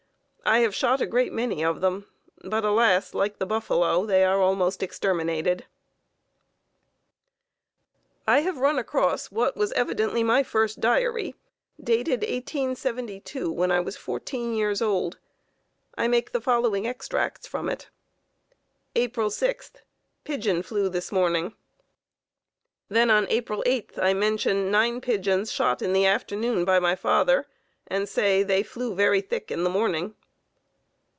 I have shot a great many of them, but alas, like the buffalo, they are almost exterminated." I have run across what was evidently my first diary, dated 1872, when I was fourteen years old. I make the following extracts from it: April 6th. "Pigeon flew this morning." Then on April 8th I mention 9 pigeons shot in the afternoon by my father, and say "they flew very thick in the morning."